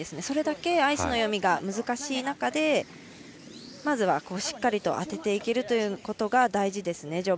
それだけアイスの読みが難しい中まずはしっかりと当てていけるということが大事ですね。